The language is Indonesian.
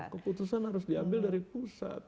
keputusan harus diambil dari pusat